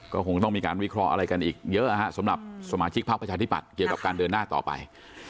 ก็คงต้องมีการวิเคราะห์อะไรกันอีกเยอะสำหรับสมาชิกพักประชาธิบัตย์เกี่ยวกับการเดินหน้าต่อไป